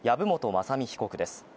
雅巳被告です。